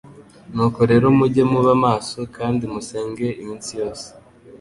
Nuko rero mujye muba maso kandi musenge iminsi yose."